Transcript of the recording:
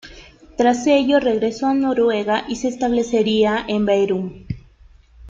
Tras ello regresó a Noruega y se establecería en Bærum.